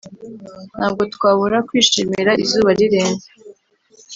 ntabwo twabura kwishimira izuba rirenze.